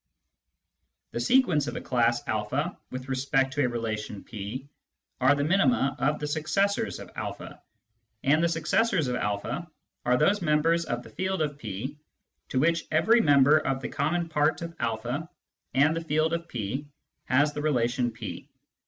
The " sequents " of a class a with respect to a relation P are the minima of the " successors " of a, and the " successors " of a are those members of the field of P to which every member of the common part of a and the field of P has the relation P.